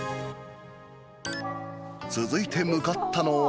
続いて向かったのは。